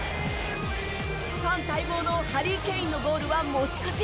ファン待望のハリー・ケインのゴールは持ち越し。